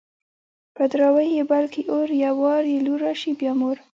په دراوۍ يې بل کي اور _ يو وار يې لور راسي بيا مور